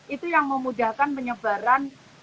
itu yang memudahkan penyebaran